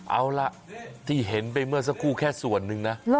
เอาล่ะที่เห็นไปเมื่อสักครู่แค่ส่วนหนึ่งนะ